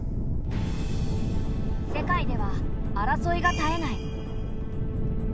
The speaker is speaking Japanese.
世界では争いが絶えない。